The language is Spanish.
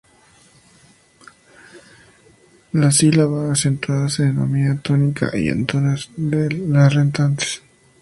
La sílaba acentuada se denomina tónica, y átonas las restantes.